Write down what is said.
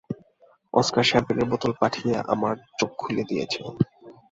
Oscar শ্যাম্পেনের বোতল পাঠিয়ে আমার চোখ খুলে দিয়েছে।